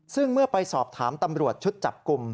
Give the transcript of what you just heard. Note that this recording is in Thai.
ซึ่งเมื่อไปสอบถามตำรวจชุดจับกลุ่ม